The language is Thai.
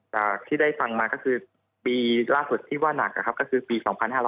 จากที่ได้ฟังมาก็คือปีล่าสุดที่ว่านักก็คือปี๒๕๕๙